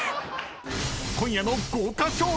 ［今夜の豪華賞品は⁉］